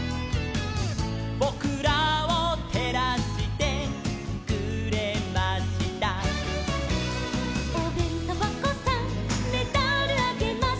「ぼくらをてらしてくれました」「おべんとばこさんメダルあげます」